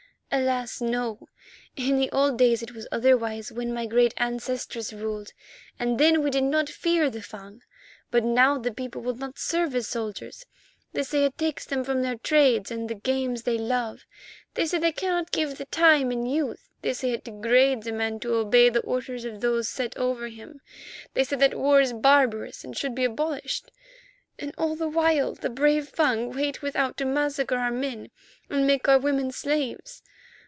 "Alas! no. In the old days it was otherwise, when my great ancestresses ruled, and then we did not fear the Fung. But now the people will not serve as soldiers. They say it takes them from their trades and the games they love; they say they cannot give the time in youth; they say that it degrades a man to obey the orders of those set over him; they say that war is barbarous and should be abolished, and all the while the brave Fung wait without to massacre our men and make our women slaves.